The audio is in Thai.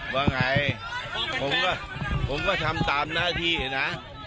ว่าไงผมก็ผมก็ทำตามหน้าที่นะ